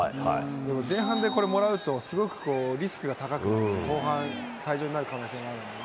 でも前半でこれ、もらうと、すごくリスクが高く、後半退場になる可能性があるので。